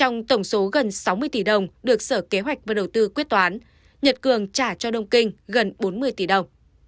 trong tổng số gần sáu mươi tỷ đồng được sở kế hoạch và đầu tư quyết toán nhật cường trả cho đông kinh gần bốn mươi tỷ đồng